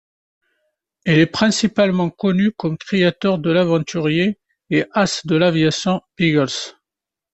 Il est principalement connu comme créateur de l'aventurier et as de l'aviation Biggles.